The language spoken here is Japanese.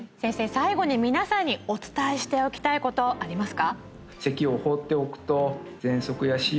最後に皆さんにお伝えしておきたいことありますか？